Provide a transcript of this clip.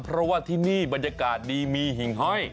เพราะว่าที่นี่บรรยากาศดีมีหิ่งห้อย